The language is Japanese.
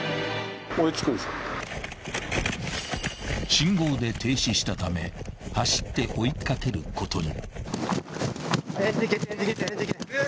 ［信号で停止したため走って追い掛けることに］